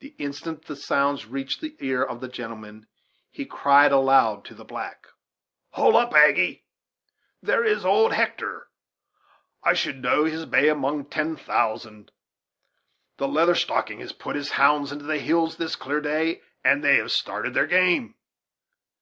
The instant the sounds reached the ear of the gentleman he cried aloud to the black: "Hol up, Aggy; there is old Hector; I should know his bay among ten thousand! The Leather Stocking has put his hounds into the hills this clear day, and they have started their game.